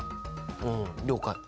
うん了解。